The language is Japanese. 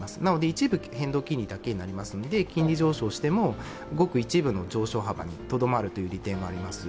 一部変動金利だけになりますので金利上昇してもごく一部の上昇幅にとどまるという利点はあります。